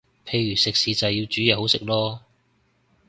譬如食肆就係要煮嘢好食囉